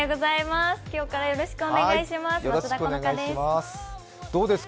今日からよろしくお願いします。